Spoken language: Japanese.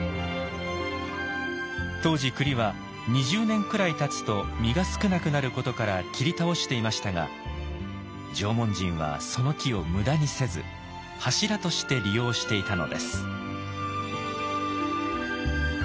当時クリは２０年くらいたつと実が少なくなることから切り倒していましたが縄文人はその木を無駄にせず柱として利用していたのです。